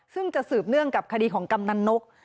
ซึ่งจะสืบเนื่องกับคดีของกำนันนก